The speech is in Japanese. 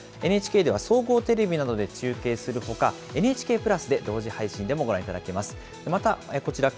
ＮＨＫでは総合テレビなどで中継するほか、ＮＨＫプラスで同時配信でもご覧いただけます。